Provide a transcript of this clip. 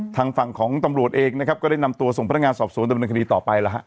ทางฝั่งของตำรวจเองนะครับก็ได้นำตัวส่งพนักงานสอบสวนดำเนินคดีต่อไปแล้วฮะ